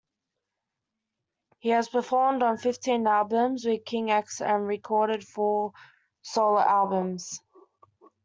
He has performed on fifteen albums with King's X, and recorded four solo albums.